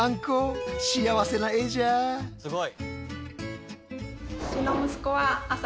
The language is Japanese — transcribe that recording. すごい。